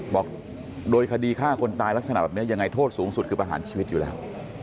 บอกโดยคดีฆ่าคนตายลักษณะแบบนี้ยังไงโทษสูงสุดคือประหารชีวิตอยู่แล้ว